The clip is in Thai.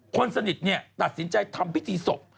คนสนิทตัดสินใจทำพิธีศพ